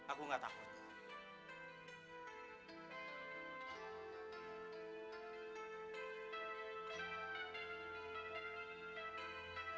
aku gak takut